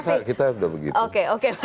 saya rasa kita sudah begitu oke oke